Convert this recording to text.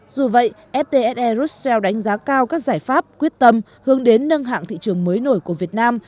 dù vậy ftse russell đánh giá cao các giải pháp quyết tâm hướng đến nâng hạng thị trường mới nổi của việt nam